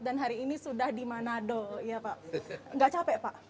dan hari ini sudah di manado nggak capek pak